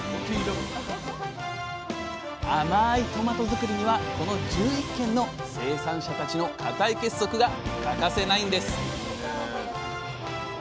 甘いトマト作りにはこの１１軒の生産者たちの固い結束が欠かせないんです